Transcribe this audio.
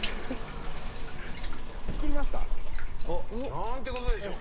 なんてことでしょう